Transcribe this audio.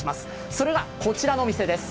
それがこちらのお店です。